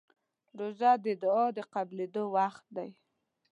روژه د دعا قبولېدو وخت دی.